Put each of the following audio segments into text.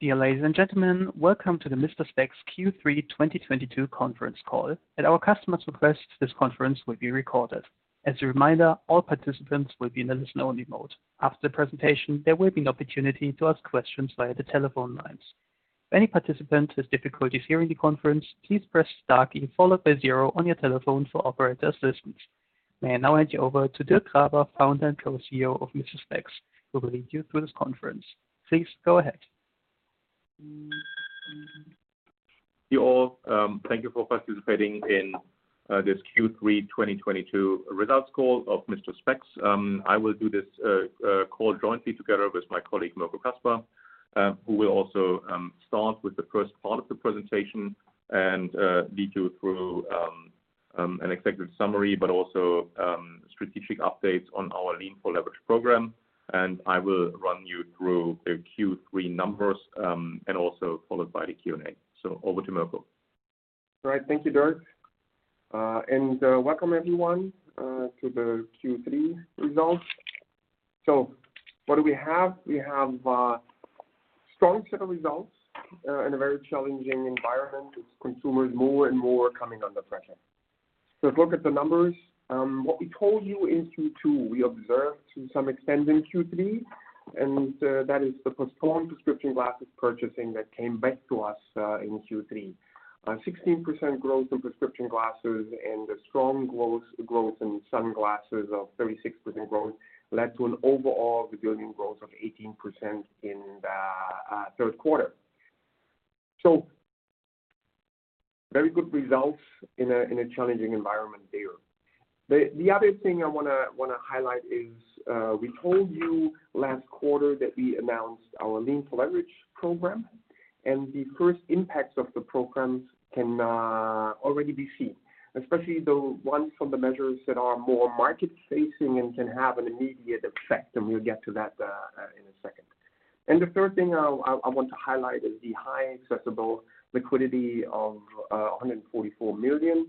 Dear ladies and gentlemen, welcome to the Mister Spex Q3 2022 Conference Call. At our customer's request, this conference will be recorded. As a reminder, all participants will be in a listen-only mode. After the presentation, there will be an opportunity to ask questions via the telephone lines. If any participant has difficulties hearing the conference, please press star key followed by zero on your telephone for operator assistance. May I now hand you over to Dirk Graber, Founder and Co-CEO of Mister Spex, who will lead you through this conference. Please go ahead. Thank you all, thank you for participating in this Q3 2022 results call of Mister Spex. I will do this call jointly together with my colleague, Mirko Caspar, who will also start with the first part of the presentation and lead you through an executive summary, but also strategic updates on our Lean 4 Leverage program. I will run you through the Q3 numbers and also followed by the Q&A. Over to Mirko. All right. Thank you, Dirk. Welcome everyone to the Q3 results. What do we have? We have a strong set of results in a very challenging environment with consumers more and more coming under pressure. Let's look at the numbers. What we told you in Q2, we observed to some extent in Q3, and that is the postponed prescription glasses purchasing that came back to us in Q3. 16% growth in prescription glasses and a strong growth in sunglasses of 36% growth led to an overall resilient growth of 18% in the third quarter. Very good results in a challenging environment there. The other thing I wanna highlight is we told you last quarter that we announced our Lean 4 Leverage, and the first impacts of the programs can already be seen, especially the ones from the measures that are more market-facing and can have an immediate effect, and we'll get to that in a second. The third thing I want to highlight is the high accessible liquidity of 144 million.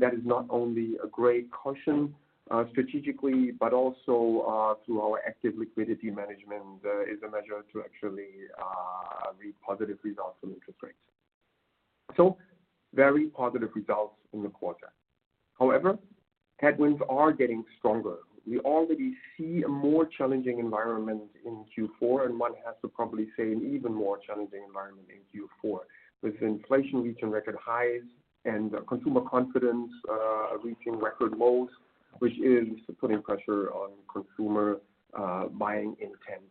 That is not only a great cushion strategically, but also through our active liquidity management is a measure to actually reap positive results from interest rates. Very positive results in the quarter. However, headwinds are getting stronger. We already see a more challenging environment in Q4, and one has to probably say an even more challenging environment in Q4, with inflation reaching record highs and consumer confidence reaching record lows, which is putting pressure on consumer buying intent.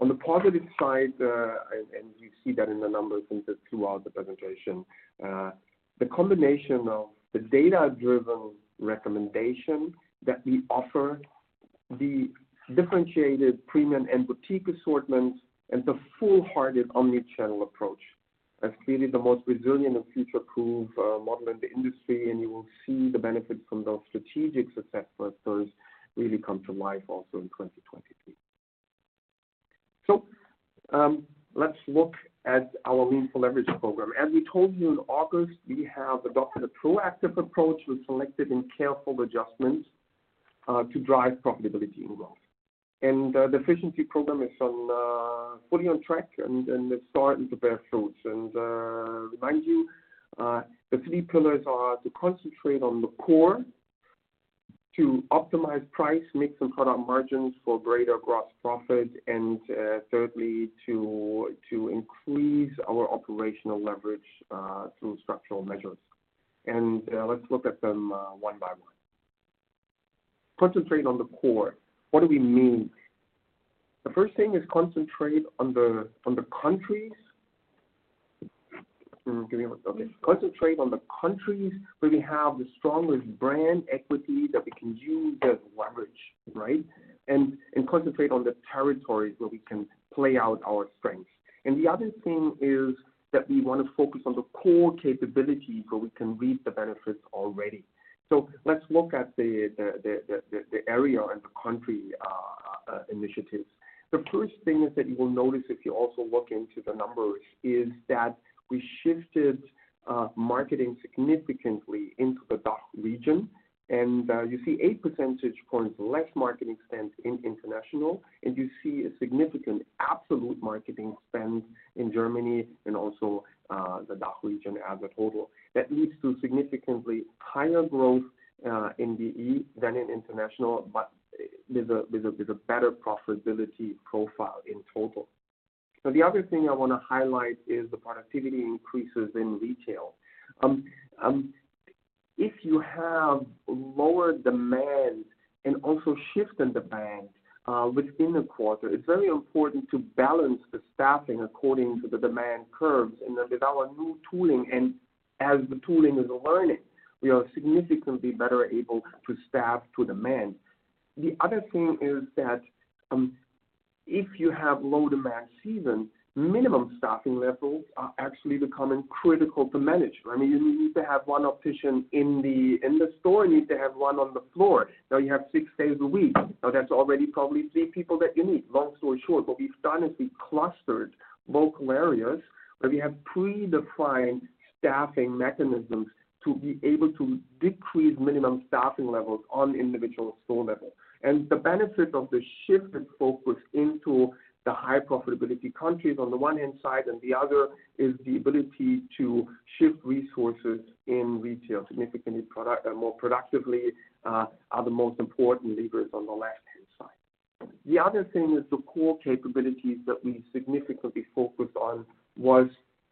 On the positive side, and you see that in the numbers and throughout the presentation, the combination of the data-driven recommendation that we offer, the differentiated premium and boutique assortment, and the wholehearted omnichannel approach is clearly the most resilient and future-proof model in the industry, and you will see the benefits from those strategic success factors really come to life also in 2023. Let's look at our Lean 4 Leverage program. As we told you in August, we have adopted a proactive approach with selective and careful adjustments to drive profitability and growth. The efficiency program is fully on track, and it's starting to bear fruits. Remind you the three pillars are to concentrate on the core, to optimize price, mix, and product margins for greater gross profit, and thirdly, to increase our operational leverage through structural measures. Let's look at them one by one. Concentrate on the core. What do we mean? The first thing is concentrate on the countries. Give me one second. Concentrate on the countries where we have the strongest brand equity that we can use as leverage, right? Concentrate on the territories where we can play out our strengths. The other thing is that we wanna focus on the core capabilities where we can reap the benefits already. Let's look at the area and the country initiatives. The first thing is that you will notice if you also look into the numbers is that we shifted marketing significantly into the DACH region, and you see eight percentage points less marketing spend in international, and you see a significant absolute marketing spend in Germany and also the DACH region as a total. That leads to significantly higher growth in DE than in international, but with a better profitability profile in total. The other thing I wanna highlight is the productivity increases in retail. If you have lower demand and also shift in demand within a quarter, it's very important to balance the staffing according to the demand curves and develop new tooling. As the tooling is learning, we are significantly better able to staff to demand. The other thing is that, if you have low demand season, minimum staffing levels are actually becoming critical to manage. I mean, you need to have one optician in the store, need to have one on the floor. Now you have six days a week. Now that's already probably three people that you need. Long story short, what we've done is we clustered local areas where we have predefined staffing mechanisms to be able to decrease minimum staffing levels on individual store level. The benefit of the shift in focus into the high profitability countries on the one hand side and the other is the ability to shift resources in retail significantly more productively are the most important levers on the left. The other thing is the core capabilities that we significantly focused on was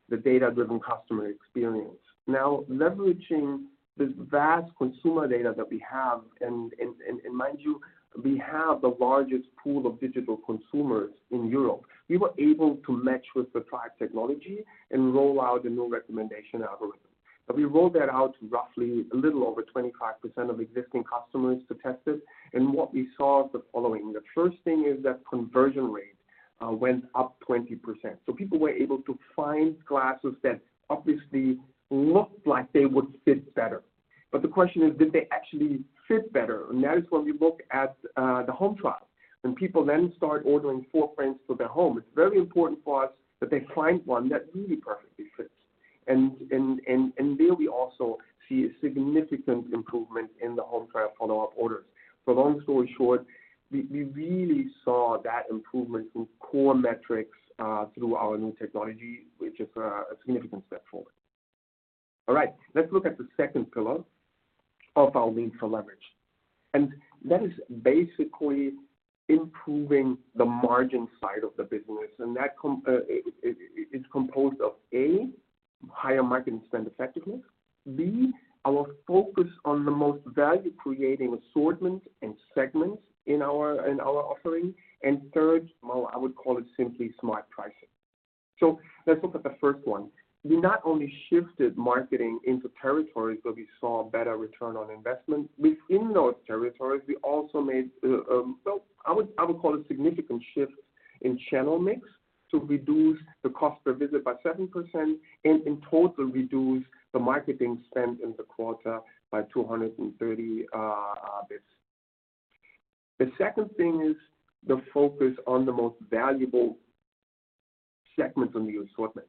the data-driven customer experience. Now, leveraging this vast consumer data that we have, mind you, we have the largest pool of digital consumers in Europe, we were able to match with the trial technology and roll out a new recommendation algorithm. We rolled that out to roughly a little over 25% of existing customers to test it, and what we saw is the following. The first thing is that conversion rate went up 20%. People were able to find glasses that obviously looked like they would fit better. The question is, did they actually fit better? That is when we look at the home trial. When people then start ordering four frames for their home, it's very important for us that they find one that really perfectly fits. There we also see a significant improvement in the home trial follow-up orders. Long story short, we really saw that improvement through core metrics through our new technology, which is a significant step forward. All right. Let's look at the second pillar of our Lean 4 Leverage. That is basically improving the margin side of the business, it's composed of A, higher marketing spend effectiveness, B, our focus on the most value-creating assortment and segments in our offering, and third, well, I would call it simply smart pricing. Let's look at the first one. We not only shifted marketing into territories where we saw better return on investment, within those territories, we also made, well, I would call it significant shift in channel mix to reduce the cost per visit by 7% and in total reduce the marketing spend in the quarter by 230 basis points. The second thing is the focus on the most valuable segments on the assortment.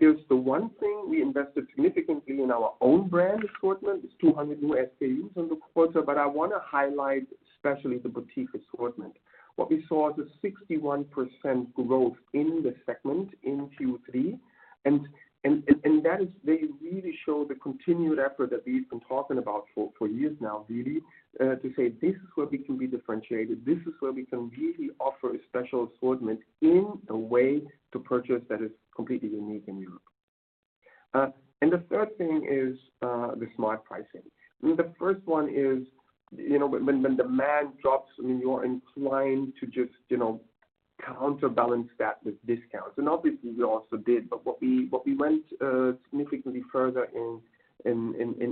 There's the one thing we invested significantly in our own brand assortment, it's 200 new SKUs in the quarter, but I wanna highlight especially the boutique assortment. What we saw is a 61% growth in the segment in Q3, and that is, they really show the continued effort that we've been talking about for years now, really, to say, "This is where we can be differentiated. This is where we can really offer a special assortment in a way to purchase that is completely unique in Europe." And the third thing is the smart pricing. I mean, the first one is, you know, when demand drops, I mean, you are inclined to just, you know, counterbalance that with discounts. Obviously, we also did, but what we went significantly further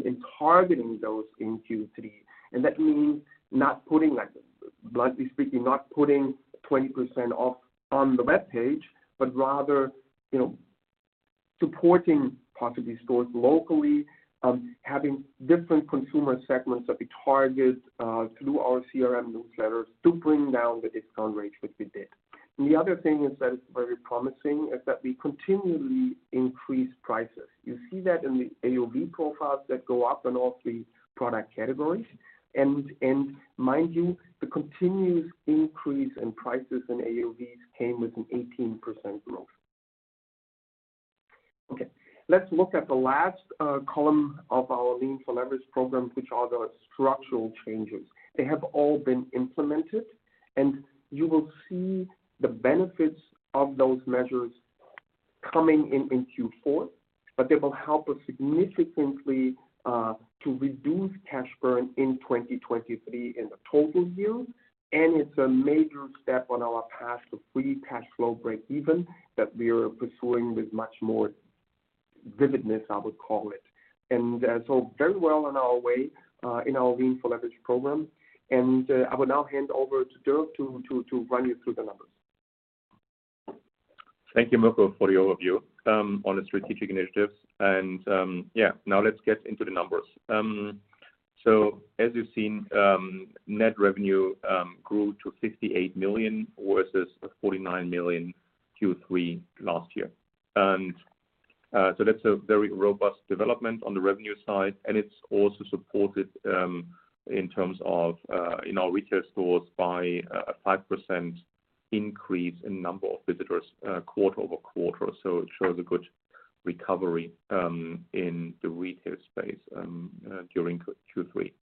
in targeting those in Q3, and that means not putting like, bluntly speaking, not putting 20% off on the webpage, but rather, you know, supporting possibly stores locally, having different consumer segments that we target through our CRM newsletters to bring down the discount rate, which we did. The other thing that is very promising is that we continually increase prices. You see that in the AOV profiles that go up in all three product categories. Mind you, the continuous increase in prices in AOVs came with an 18% growth. Okay. Let's look at the last column of our Lean 4 Leverage program, which are the structural changes. They have all been implemented, and you will see the benefits of those measures coming in in Q4, but they will help us significantly to reduce cash burn in 2023 in the total view, and it's a major step on our path to free cash flow breakeven that we are pursuing with much more vividness, I would call it. Very well on our way in our Lean 4 Leverage program. I will now hand over to Dirk to run you through the numbers. Thank you, Mirko, for the overview on the strategic initiatives. Now let's get into the numbers. As you've seen, net revenue grew to 58 million versus 49 million Q3 last year. That's a very robust development on the revenue side, and it's also supported in terms of in our retail stores by a 5% increase in number of visitors quarter-over-quarter. It shows a good recovery in the retail space during Q3.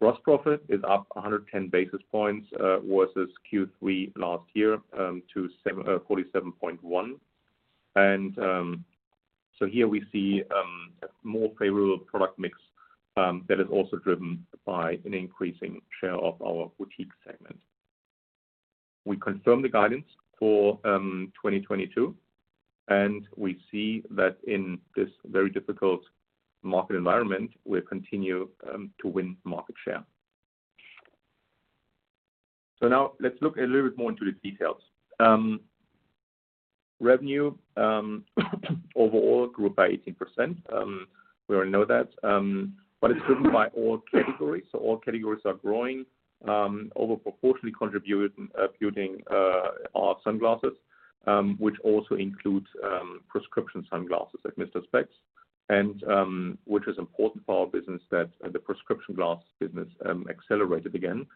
Gross profit is up 110 basis points versus Q3 last year to 47.1%. Here we see a more favorable product mix that is also driven by an increasing share of our boutique segment. We confirm the guidance for 2022, and we see that in this very difficult market environment, we continue to win market share. Now let's look a little bit more into the details. Revenue overall grew by 18%. We all know that, but it's driven by all categories. All categories are growing over proportionally, contributing our sunglasses, which also includes prescription sunglasses like Mister Spex, and which is important for our business that the prescription glasses business accelerated again.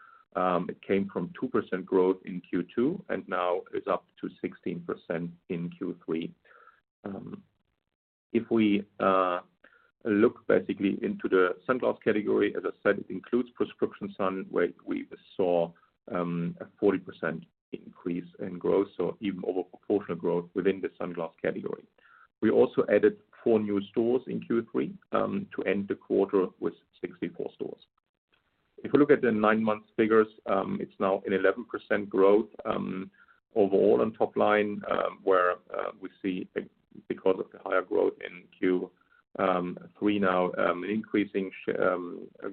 It came from 2% growth in Q2, and now is up to 16% in Q3. If we look basically into the sunglasses category, as I said, it includes prescription sunglasses, where we saw a 40% increase in growth, so even over proportional growth within the sunglasses category. We also added 4 new stores in Q3 to end the quarter with 64 stores. If we look at the 9-month figures, it's now an 11% growth overall on top line, where we see because of the higher growth in Q3 now an increasing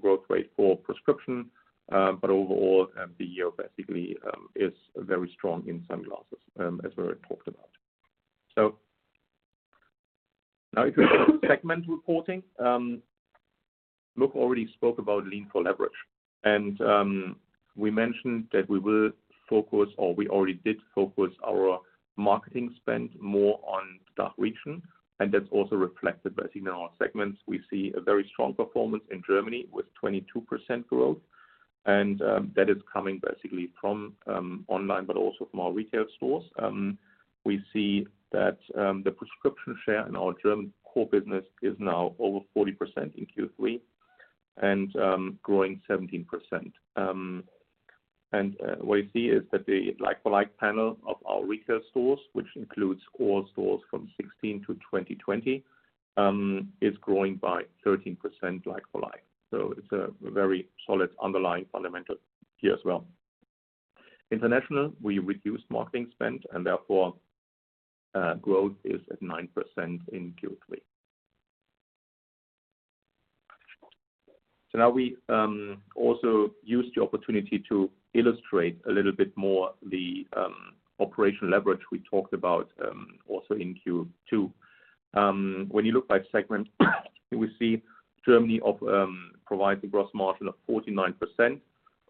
growth rate for prescription. But overall, the year basically is very strong in sunglasses as we already talked about. Now if you look at segment reporting, Mirko already spoke about Lean 4 Leverage, and we mentioned that we will focus, or we already did focus our marketing spend more on DACH region, and that's also reflected basically in our segments. We see a very strong performance in Germany with 22% growth, and that is coming basically from online, but also from our retail stores. We see that the prescription share in our German core business is now over 40% in Q3 and growing 17%. What you see is that the like-for-like panel of our retail stores, which includes core stores from 2016-2020, is growing by 13% like-for-like. It's a very solid underlying fundamental here as well. International, we reduced marketing spend and therefore growth is at 9% in Q3. Now we also use the opportunity to illustrate a little bit more the operational leverage we talked about also in Q2. When you look by segment, we see Germany provides a gross margin of 49%,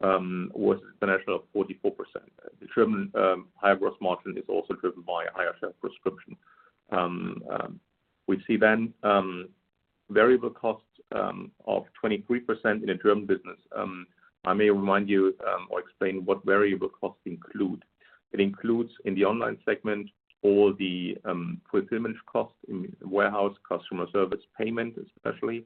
versus international of 44%. The German higher gross margin is also driven by a higher share prescription. We see then variable costs of 23% in the German business. I may remind you, or explain what variable costs include. It includes, in the Online segment, all the fulfillment costs in warehouse, customer service, payment especially.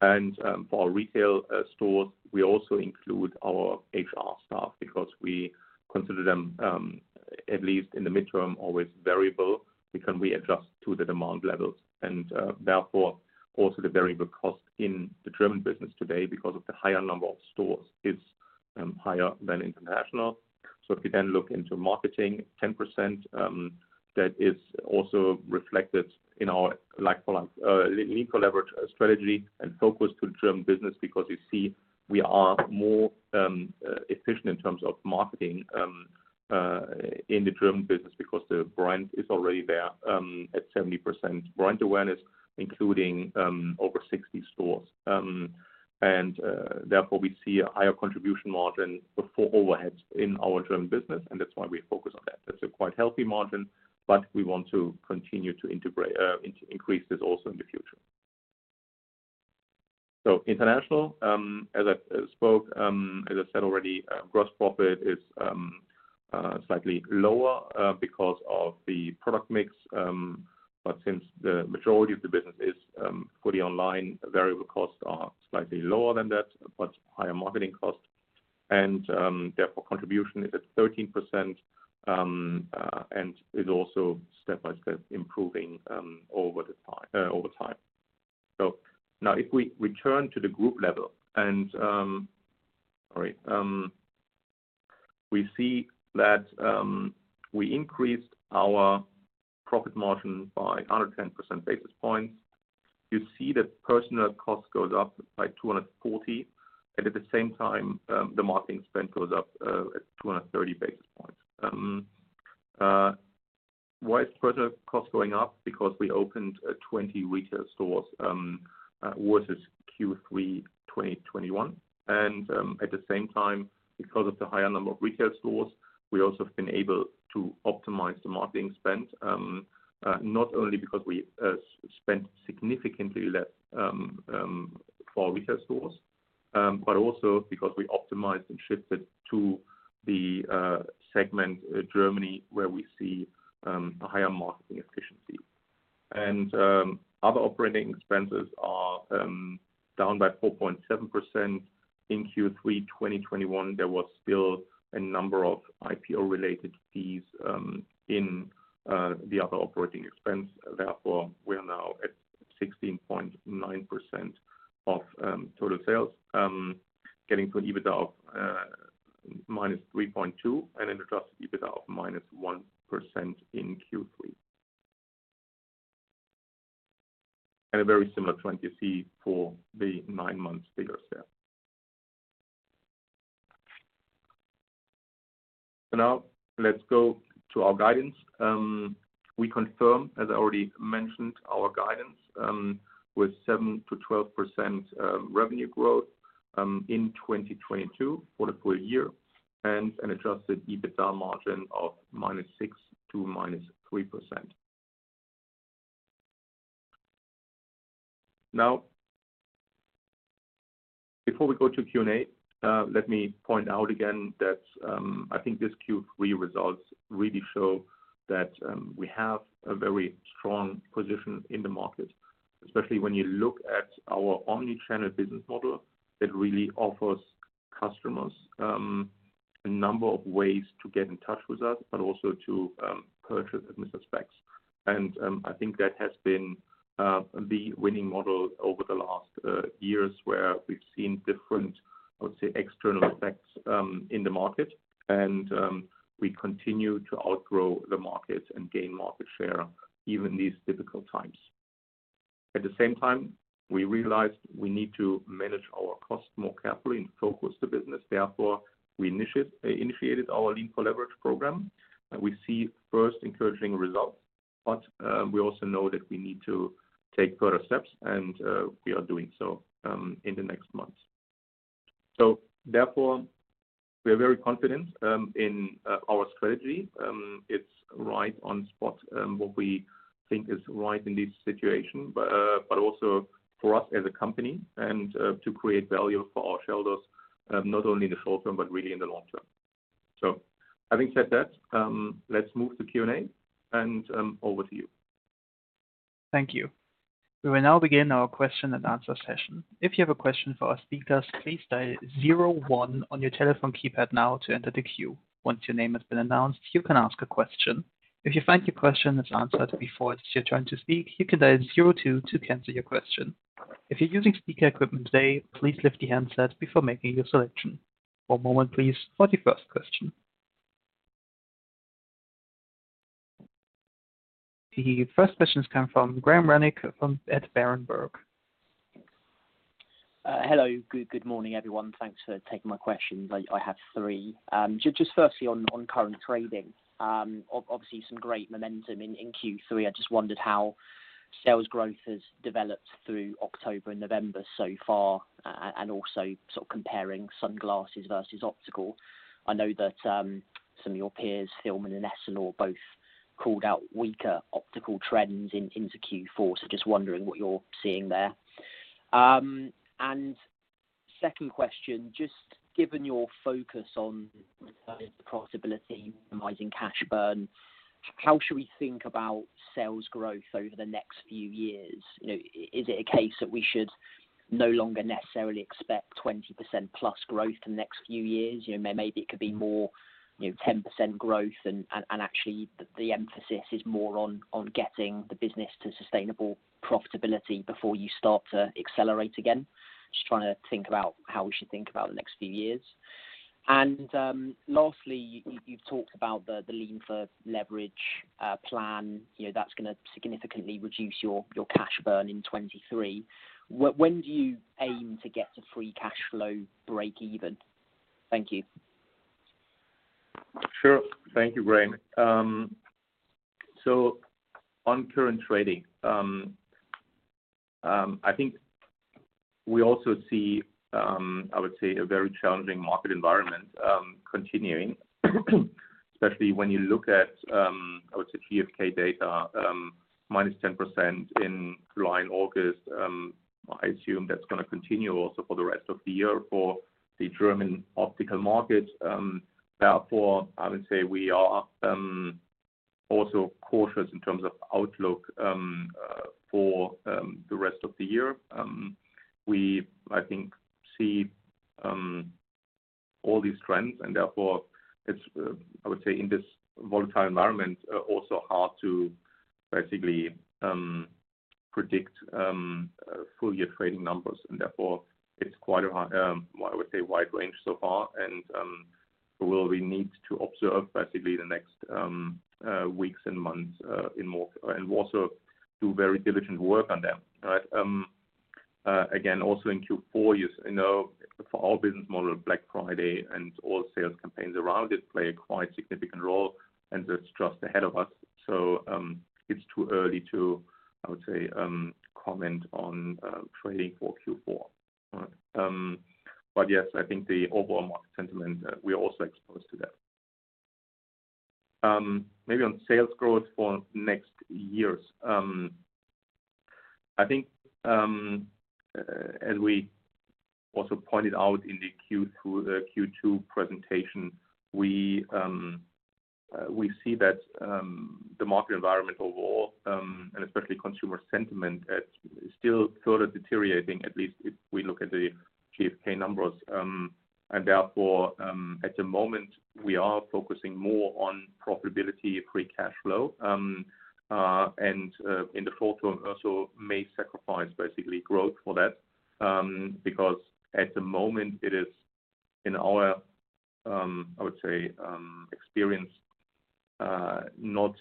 For our retail stores, we also include our HR staff because we consider them, at least in the mid-term, always variable, because we adjust to the demand levels. Therefore, also the variable cost in the German business today because of the higher number of stores is higher than international. If you then look into marketing, 10%, that is also reflected in our like-for-like Lean 4 Leverage strategy and focus to German business because you see we are more efficient in terms of marketing in the German business because the brand is already there at 70% brand awareness, including over 60 stores. Therefore, we see a higher contribution margin for overheads in our German business, and that's why we focus on that. That's a quite healthy margin, but we want to continue to increase this also in the future. International, as I said already, gross profit is slightly lower because of the product mix. Since the majority of the business is fully online, variable costs are slightly lower than that, but higher marketing costs, and therefore, contribution is at 13%, and is also step-by-step improving over time. Now if we return to the group level and we see that we increased our profit margin by 110 basis points. You see that personnel costs goes up by 240, and at the same time, the marketing spend goes up at 230 basis points. Why is personnel cost going up? Because we opened 20 retail stores versus Q3 2021. At the same time, because of the higher number of retail stores, we also have been able to optimize the marketing spend, not only because we spent significantly less for retail stores, but also because we optimized and shifted to the German segment, where we see a higher marketing efficiency. Other operating expenses are down by 4.7%. In Q3 2021, there was still a number of IPO-related fees in the other operating expense. Therefore, we are now at 16.9% of total sales, getting to an EBITDA of -3.2 and an adjusted EBITDA of -1% in Q3. A very similar trend you see for the nine-month figures there. Now let's go to our guidance. We confirm, as I already mentioned, our guidance with 7%-12% revenue growth in 2022 for the full year, and an adjusted EBITDA margin of -6% to -3%. Before we go to Q&A, let me point out again that I think these Q3 results really show that we have a very strong position in the market, especially when you look at our omnichannel business model that really offers customers a number of ways to get in touch with us, but also to purchase Mister Spex. I think that has been the winning model over the last years where we've seen different, I would say, external effects in the market. We continue to outgrow the market and gain market share even in these difficult times. At the same time, we realized we need to manage our costs more carefully and focus the business. We initiated our Lean 4 Leverage program, and we see first encouraging results. We also know that we need to take further steps, and we are doing so in the next months. We are very confident in our strategy. It's right on spot, what we think is right in this situation, but also for us as a company and to create value for our shareholders, not only in the short term but really in the long term. Having said that, let's move to Q&A, and over to you. Thank you. We will now begin our question-and-answer session. If you have a question for our speakers, please dial zero one on your telephone keypad now to enter the queue. Once your name has been announced, you can ask a question. If you find your question is answered before it's your turn to speak, you can dial zero two to cancel your question. If you're using speaker equipment today, please lift the handset before making your selection. One moment, please, for the first question. The first question comes from Graham Rennick at Berenberg. Hello. Good morning, everyone. Thanks for taking my questions. I have three. Just firstly on current trading, obviously some great momentum in Q3. I just wondered how sales growth has developed through October and November so far, and also sort of comparing sunglasses versus optical. I know that some of your peers, Fielmann and Essilor, both called out weaker optical trends into Q4. Just wondering what you're seeing there. Second question, just given your focus on profitability, minimizing cash burn, how should we think about sales growth over the next few years? You know, is it a case that we should no longer necessarily expect 20%+ growth in the next few years? You know, maybe it could be more, you know, 10% growth, and actually the emphasis is more on getting the business to sustainable profitability before you start to accelerate again. Just trying to think about how we should think about the next few years. Lastly, you've talked about the Lean 4 Leverage plan. You know, that's gonna significantly reduce your cash burn in 2023. When do you aim to get to free cash flow breakeven? Thank you. Sure. Thank you, Graham. On current trading, I think we also see, I would say a very challenging market environment, continuing, especially when you look at, I would say, GfK data, -10% in July and August. I assume that's gonna continue also for the rest of the year for the German optical market. Therefore, I would say we are also cautious in terms of outlook, for the rest of the year. We, I think, see all these trends and therefore it's, I would say in this volatile environment, also hard to basically predict full-year trading numbers. Therefore it's quite a I would say wide range so far and will we need to observe basically the next weeks and months in more and also do very diligent work on them right? Again also in Q4 you know for our business model Black Friday and all sales campaigns around it play a quite significant role and that's just ahead of us. It's too early to I would say comment on trading for Q4 right? Yes, I think the overall market sentiment we are also exposed to that. Maybe on sales growth for next years, I think, as we also pointed out in the Q2 presentation, we see that the market environment overall, and especially consumer sentiment is still further deteriorating, at least if we look at the GfK numbers. Therefore, at the moment we are focusing more on profitability and free cash flow, and in the short term also may sacrifice basically growth for that, because at the moment it is in our, I would say, experience, not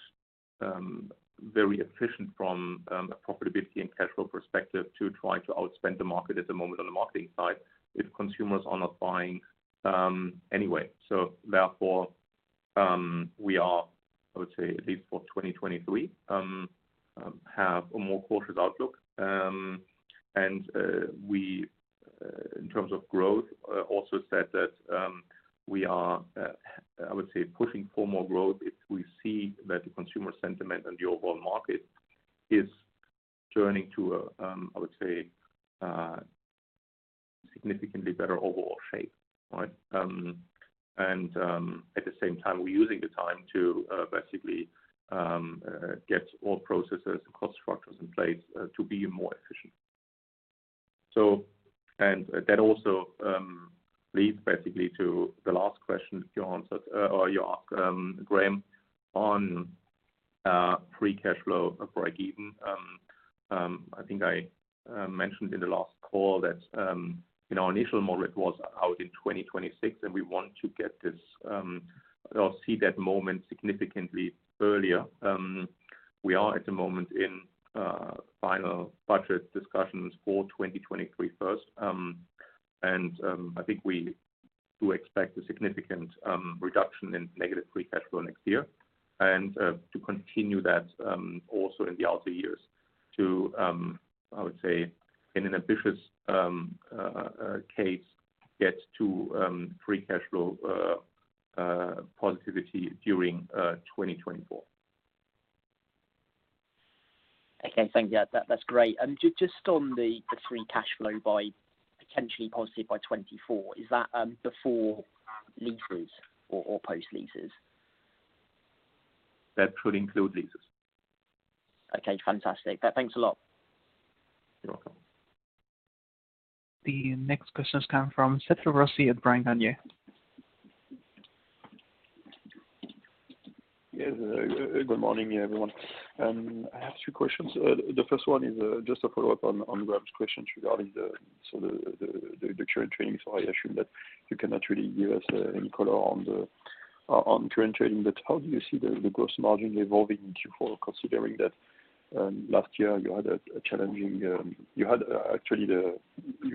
very efficient from a profitability and cash flow perspective to try to outspend the market at the moment on the marketing side if consumers are not buying, anyway. Therefore, we are, I would say, at least for 2023, have a more cautious outlook. We in terms of growth also said that we are, I would say pushing for more growth if we see that the consumer sentiment and the overall market is turning to a--I would say, significantly better overall shape, right? At the same time, we're using the time to, basically, get all processes and cost structures in place, to be more efficient. That also leads basically to the last question you answered, or you asked, Graham Rennick, on free cash flow breakeven. I think I mentioned in the last call that in our initial model, it was out in 2026, and we want to get this or see that moment significantly earlier. We are at the moment in final budget discussions for 2023 first. I think we do expect a significant reduction in negative free cash flow next year and to continue that also in the outer years to, I would say in an ambitious case, get to free cash flow positivity during 2024. Okay. Thank you. That's great. Just on the free cash flow being potentially positive by 24, is that before leases or post leases? That should include leases. Okay. Fantastic. Thanks a lot. You're welcome. The next questions come from Cédric Rossi at Bryan, Garnier & Co. Yes. Good morning everyone. I have two questions. The first one is just a follow-up on Graham Rennick's questions regarding the current trading. I assume that you cannot really give us any color on current trading, but how do you see the gross margin evolving in Q4 considering that you're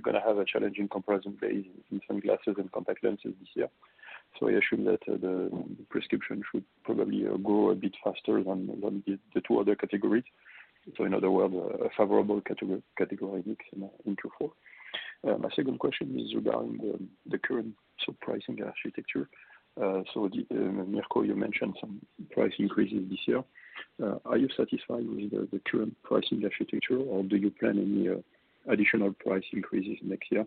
gonna have a challenging comparison base in sunglasses and contact lenses this year. I assume that the prescription should probably grow a bit faster than the two other categories. In other words, a favorable category mix in Q4. My second question is regarding the current sort of pricing architecture. Mirko Caspar, you mentioned some price increases this year. Are you satisfied with the current pricing architecture, or do you plan any additional price increases next year,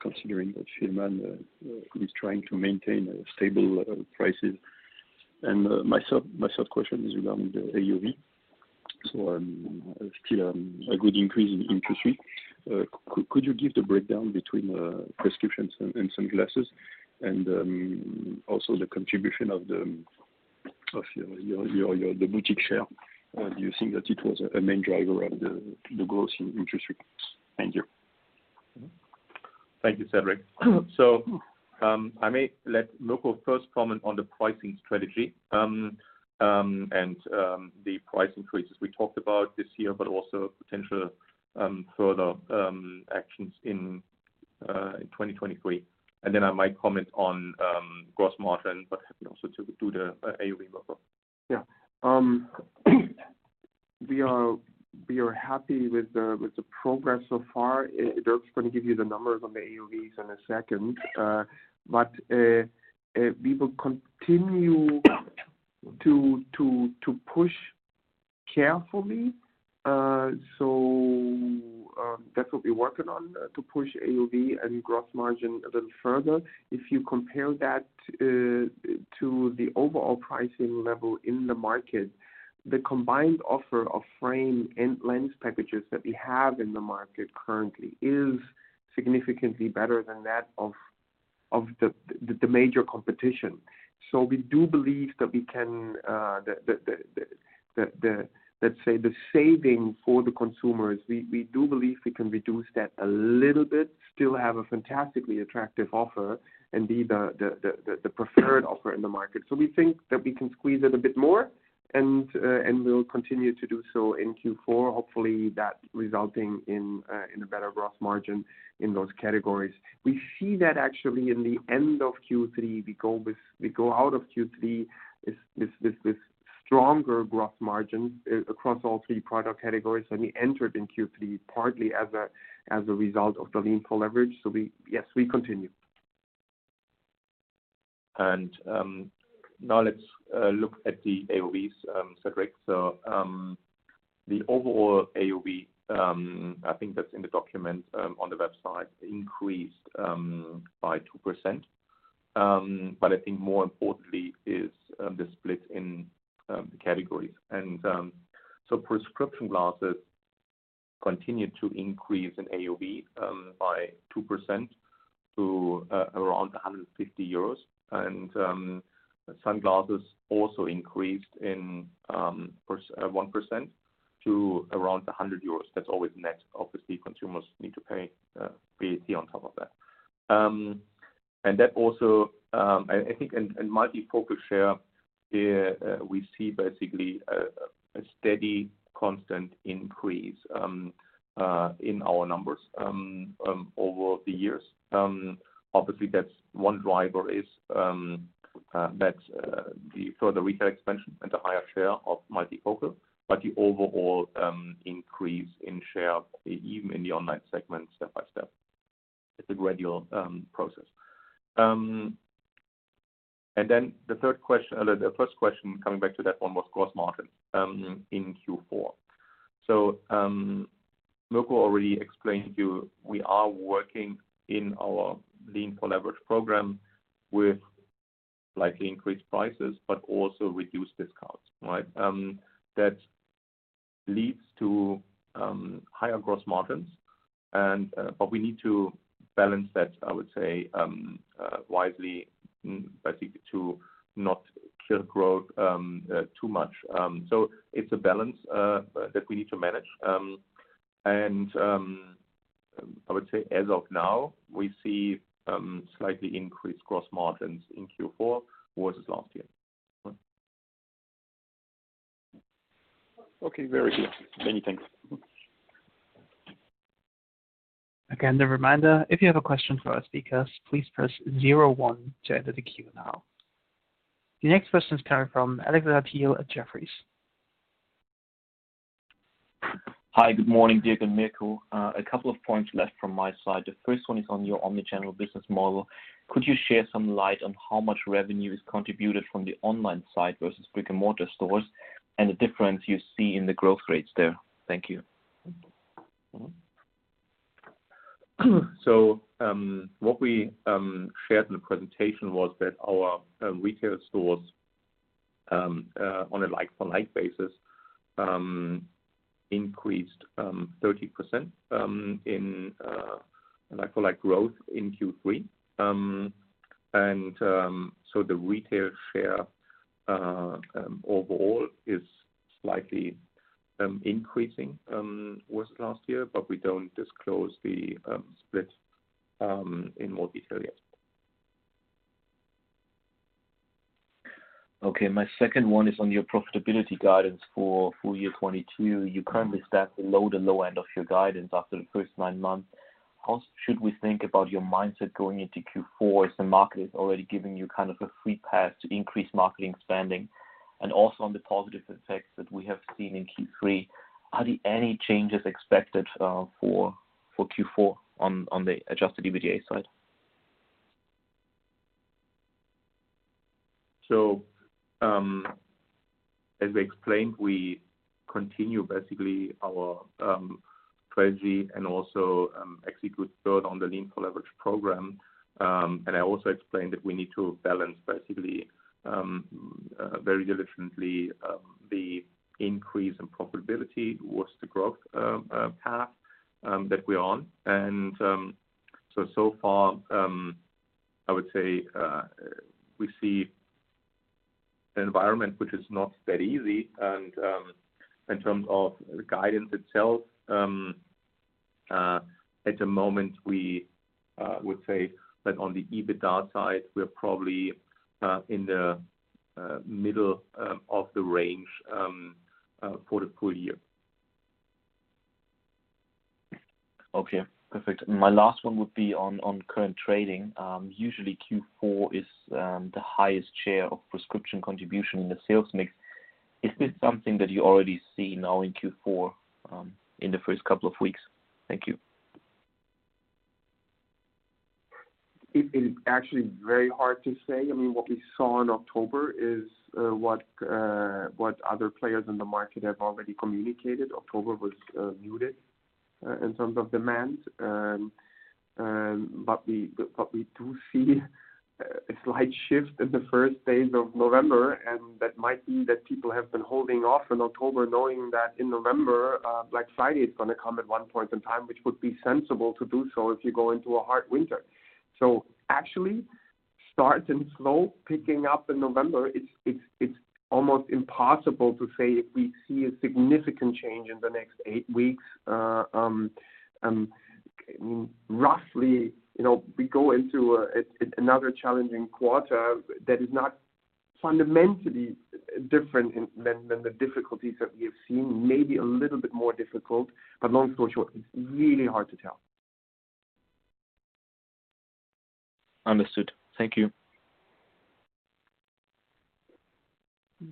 considering that Fielmann is trying to maintain stable prices? My third question is regarding the AOV. Still a good increase in Q3. Could you give the breakdown between prescriptions and sunglasses and also the contribution of the boutique share? Do you think that it was a main driver of the growth in AOV? Thank you. Thank you, Cédric. I may let Mirko first comment on the pricing strategy, and the price increases we talked about this year, but also potential further actions in 2023. I might comment on gross margin, but also to the AOV level. We are happy with the progress so far. Dirk's gonna give you the numbers on the AOVs in a second. We will continue to push carefully. That's what we're working on, to push AOV and gross margin a little further. If you compare that to the overall pricing level in the market, the combined offer of frame and lens packages that we have in the market currently is significantly better than that of the major competition. We do believe that we can reduce that a little bit, still have a fantastically attractive offer, and be the preferred offer in the market. We think that we can squeeze it a bit more, and we'll continue to do so in Q4, hopefully that resulting in a better gross margin in those categories. We see that actually in the end of Q3, we go out of Q3 with stronger gross margin across all three product categories than we entered in Q3, partly as a result of the Lean 4 Leverage. Yes, we continue. Now let's look at the AOVs, Cédric. The overall AOV, I think that's in the document on the website, increased by 2%. I think more importantly is the split in the categories. Prescription glasses continued to increase in AOV by 2% to around 150 euros. Sunglasses also increased in AOV by 1% to around 100 euros. That's always net. Obviously, consumers need to pay VAT on top of that. That also, I think in multifocal share, we see basically a steady constant increase in our numbers over the years. Obviously that's one driver is the further retail expansion and the higher share of multifocal, but the overall increase in share even in the online segment step-by-step. It's a gradual process. The third question, the first question coming back to that one was gross margin in Q4. Mirko already explained to you we are working in our Lean 4 Leverage with slightly increased prices but also reduced discounts, right? That leads to higher gross margins and but we need to balance that, I would say, wisely, basically, to not kill growth too much. It's a balance that we need to manage. I would say as of now, we see slightly increased gross margins in Q4 versus last year. Okay, very good. Many thanks. Again, the reminder, if you have a question for our speakers, please press zero one to enter the queue now. The next question is coming from Alexander Thiel at Jefferies. Hi. Good morning, Dirk Graber and Mirko Caspar. A couple of points left from my side. The first one is on your omnichannel business model. Could you shed some light on how much revenue is contributed from the online side versus brick-and-mortar stores and the difference you see in the growth rates there? Thank you. What we shared in the presentation was that our retail stores on a like-for-like basis increased 30% in like-for-like growth in Q3. The retail share overall is slightly increasing versus last year, but we don't disclose the split in more detail yet. Okay. My second one is on your profitability guidance for full year 2022. You currently track to the low end of your guidance after the first nine months. How should we think about your mindset going into Q4 as the market is already giving you kind of a free pass to increase marketing spending? On the positive effects that we have seen in Q3, are there any changes expected for Q4 on the adjusted EBITDA side? As I explained, we continue basically our strategy and also execute build on the Lean 4 Leverage. I also explained that we need to balance basically very diligently the increase in profitability versus the growth path that we're on. So far I would say we see an environment which is not that easy. In terms of the guidance itself, at the moment we would say that on the EBITDA side, we're probably in the middle of the range for the full year. Okay, perfect. My last one would be on current trading. Usually, Q4 is the highest share of prescription contribution in the sales mix. Is this something that you already see now in Q4 in the first couple of weeks? Thank you. It is actually very hard to say. I mean, what we saw in October is what other players in the market have already communicated. October was muted in terms of demand. But we do see a slight shift in the first days of November, and that might be that people have been holding off in October knowing that in November, Black Friday is gonna come at one point in time, which would be sensible to do so if you go into a hard winter. Actually starts and slow picking up in November. It's almost impossible to say if we see a significant change in the next eight weeks. Roughly, you know, we go into another challenging quarter that is not fundamentally different than the difficulties that we have seen. Maybe a little bit more difficult, but long story short, it's really hard to tell. Understood. Thank you.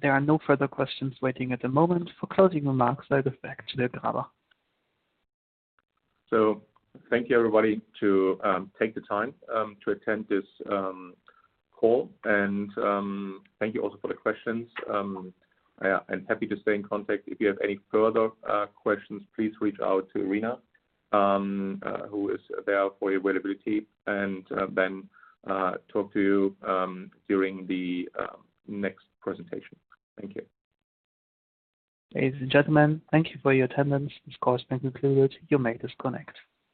There are no further questions waiting at the moment. For closing remarks, right back to Dirk Graber. Thank you everybody to take the time to attend this call, and thank you also for the questions. Happy to stay in contact. If you have any further questions, please reach out to Rina, who is there for your availability and then talk to you during the next presentation. Thank you. Ladies and gentlemen, thank you for your attendance. This call has been concluded. You may disconnect.